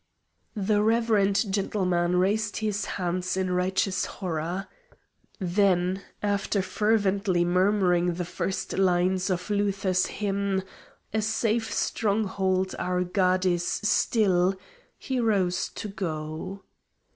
The reverend gentleman raised his hands in righteous horror. Then, after fervently murmuring the first lines of Luther's hymn, "A safe stronghold our God is still!" he rose to go.